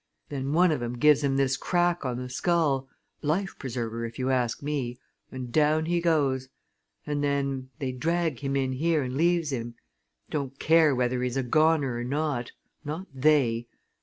Then one of 'em gives him this crack on the skull life preserver if you ask me and down he goes! And then they drag him in here and leaves him. Don't care whether he's a goner or not not they!